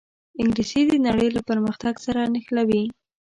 انګلیسي د نړۍ له پرمختګ سره نښلوي